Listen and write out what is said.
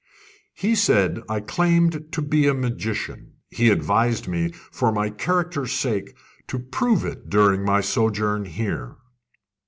"He said I claimed to be a magician. He advised me, for my character's sake, to prove it during my sojourn here."